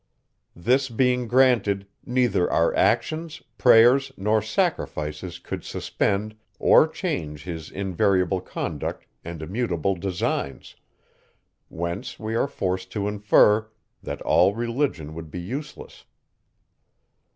This being granted, neither our actions, prayers, nor sacrifices could suspend, or change his invariable conduct and immutable designs; whence we are forced to infer, that all religion would be useless.